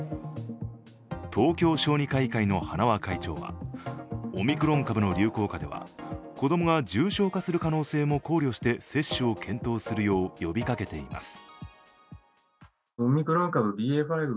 東京小児科医会の塙会長はオミクロン株の流行下では子供が重症化する可能性も考慮して接種を検討するよう呼びかけています。